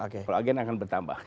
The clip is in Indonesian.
kalau agen akan bertambah